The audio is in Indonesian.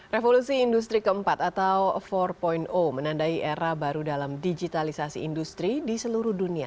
revolusi industri keempat atau empat menandai era baru dalam digitalisasi industri di seluruh dunia